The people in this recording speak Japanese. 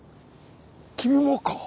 君もか。